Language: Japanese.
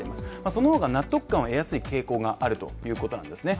そのほうが納得感を得やすい傾向があるということなんですね。